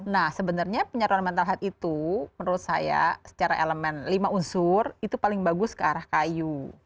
nah sebenarnya penyaluran mental health itu menurut saya secara elemen lima unsur itu paling bagus ke arah kayu